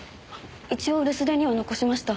一応留守電には残しました。